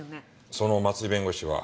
その松井弁護士は東京だ。